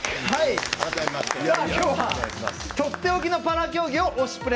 きょうは、とっておきのパラ競技を「推しプレ！」